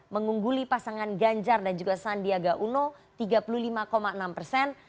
mengungguli pasangan ganjar dan juga sandiaga uno tiga puluh lima enam persen